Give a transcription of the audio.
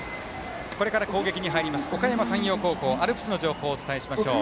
これから攻撃に入りますおかやま山陽高校アルプスの情報をお伝えしましょう。